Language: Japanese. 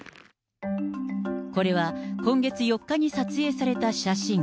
これは今月４日に撮影された写真。